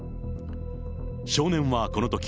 少年はこのとき、